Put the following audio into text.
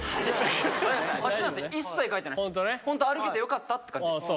ホント歩けてよかったって感じです。